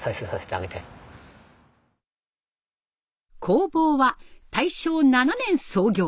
工房は大正７年創業。